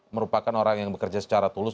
merupakan orang yang bekerja secara tulus